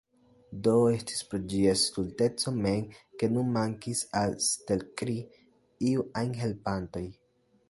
Do, estis pro ĝia stulteco mem ke nun mankis al Stelkri iuj ajn helpantoj.